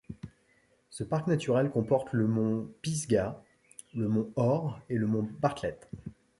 Ce parc naturel comporte le mont Pisgah, le mont Hor et le mont Bartlett.